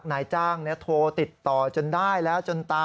แล้วนายจ้างเนี่ยโทรติดต่อจนได้แล้ว